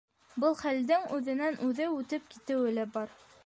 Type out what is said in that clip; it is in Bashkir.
Был хәлдең үҙенән-үҙе үтеп китеүе лә бар...